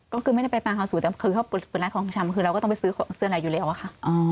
ก็คือไม่ได้ไปปลาเขาสวยแต่คือเขาเป็นร้านของชำคือเราก็ต้องไปซื้อของเสื้อในอยู่แล้วอะค่ะ